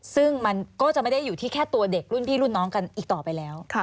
ซึ่งมันก็จะไม่ได้อยู่ที่แค่ตัวเด็กรุ่นพี่รุ่นน้องกันอีกต่อไปแล้ว